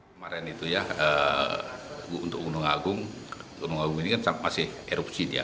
kemarin itu ya untuk gunung agung gunung agung ini kan masih erupsi dia